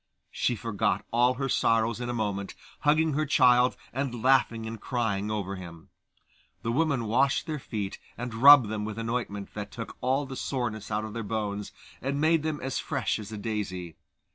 She forgot all her sorrows in a moment, hugging her child, and laughing and crying over him. The woman washed their feet, and rubbed them with an ointment that took all the soreness out of their bones, and made them as fresh as a daisy.